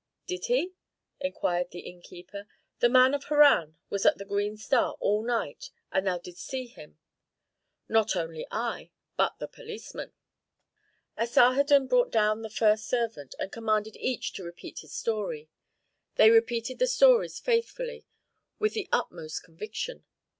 "Did he?" inquired the innkeeper. "The man of Harran was at the 'Green Star' all night, and thou didst see him?" "Not only I, but the policeman." Asarhadon brought down the first servant, and commanded each to repeat his story. They repeated the stories faithfully, with the utmost conviction.